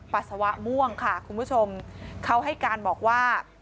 ปัสสาวะม่วงค่ะคุณผู้ชมเขาให้การบอกว่า